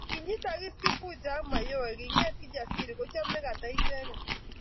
Kinyitakis Kifuja ak Mayowe kingeet Kijasiri kochob nekata icheget